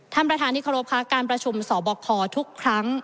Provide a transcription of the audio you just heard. ท่านประธานที่เคารพค่ะการประชุมสอบคอทุกครั้ง